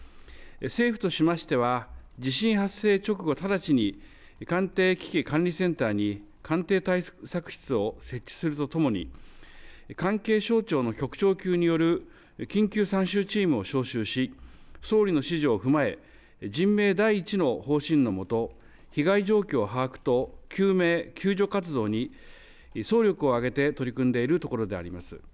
政府としましては地震発生直後、直ちに官邸危機管理センターに官邸対策室を設置するとともに関係省庁の局長級による緊急参集チームを招集し総理の指示を踏まえ、人命第一の方針のもと、被害状況把握と救命救助活動に総力を挙げて取り組んでいるところであります。